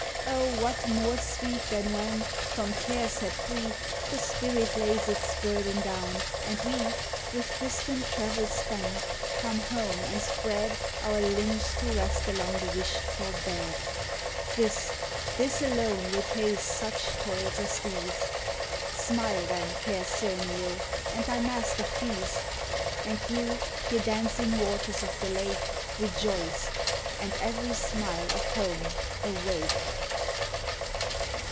Oh, what more sweet than when, from care set free. The spirit lays its burden down, and we, With distant travel spent, come home and spread Our limbs to rest along the wished for bed! This, this alone, repays such toils as these! Smile, then, fair Sirmio, and thy master please, — And you, ye dancing waters of the lake, Rejoice; and every smile of home awake!